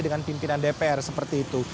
dengan pimpinan dpr seperti itu